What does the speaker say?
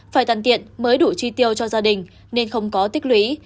phải tàn tiện mới đủ chi tiêu cho gia đình nên không có tích lũy